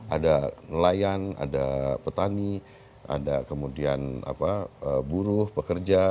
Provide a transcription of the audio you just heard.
ada nelayan ada petani ada kemudian buruh pekerja